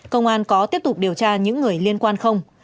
công an có tiếp tục điều tra những người liên quan không